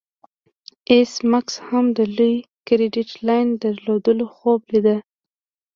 ایس میکس هم د لوی کریډیټ لاین درلودلو خوب لیده